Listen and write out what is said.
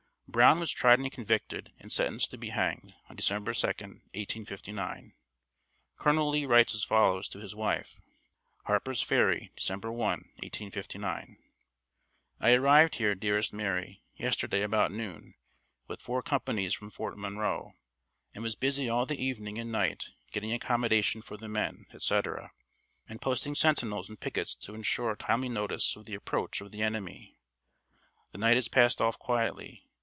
Brown was tried and convicted, and sentenced to be hanged on December 2, 1859. Colonel Lee writes as follows to his wife: "Harper's Ferry, December 1, 1859. "I arrived here, dearest Mary, yesterday about noon, with four companies from Fort Monroe, and was busy all the evening and night getting accommodation for the men, etc., and posting sentinels and pickets to insure timely notice of the approach of the enemy. The night has passed off quietly.